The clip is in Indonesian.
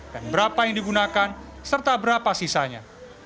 dan berapa yang digunakan serta berapa sisanya